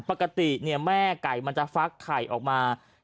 ปกติแม่ไก่มันจะฟักไข่ออกมา